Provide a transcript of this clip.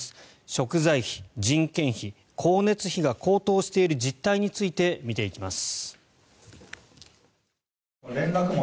食材費、人件費、光熱費が高騰している実態について見ていきます。